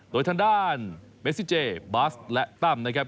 โดยทางด้านเมซิเจบัสและตั้มนะครับ